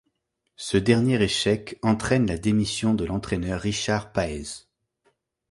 Ce dernier échec entraîne la démission de l'entraîneur Richard Páez.